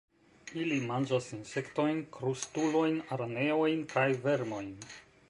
Ili manĝas insektojn, krustulojn, araneojn kaj vermojn.